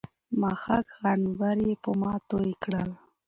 مښک، عنبر يې په ما توى کړل